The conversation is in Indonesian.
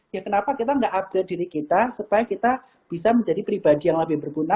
ya kenapa kita nggak upgrade diri kita supaya kita bisa menjadi pribadi yang lebih berguna